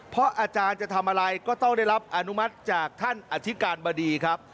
เพราะอาจารย์จะทำอะไรก็ต้องได้รับอนุมัติจากท่านอธิการบดีครับ